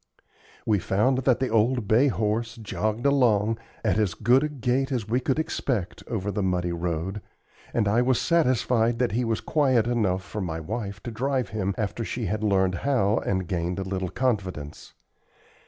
We found that the old bay horse jogged along, at as good a gait as we could expect, over the muddy road, and I was satisfied that he was quiet enough for my wife to drive him after she had learned how, and gained a little confidence.